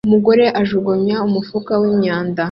Umugore ajugunya umufuka wimyanda